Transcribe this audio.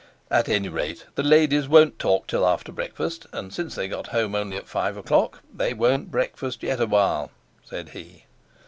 "At any rate, the ladies won't talk till after breakfast, and since they got home only at five o'clock they won't breakfast yet awhile," said he.